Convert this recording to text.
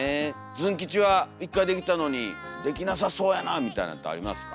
ズン吉は１回できたのにできなさそうやなみたいなんってありますか？